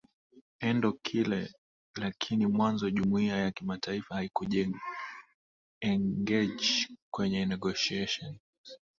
endo kile lakini mwanzo jumuiya ya kimataifa haikujiengage kwenye negotiations